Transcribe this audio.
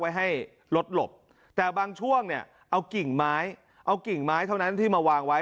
ไว้ให้รถหลบแต่บางช่วงเอากิ่งไม้เท่านั้นที่มาวางไว้